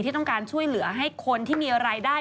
ที่ต้องการช่วยเหลือให้คนที่มีรายได้